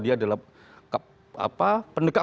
dia adalah pendekat